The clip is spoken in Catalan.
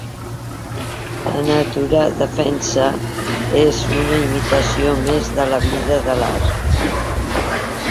La Natura, defensa, és una imitació més de la Vida que de l'Art.